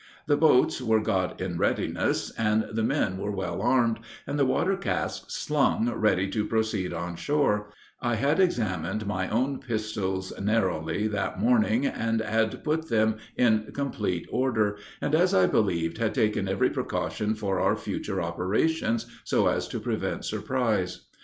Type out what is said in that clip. The boats were got in readiness, and the men were well armed, and the water casks slung ready to proceed on shore, I had examined my own pistols narrowly, that morning, and had put them in complete order, and, as I believed, had taken every precaution for our future operations, so as to prevent surprise.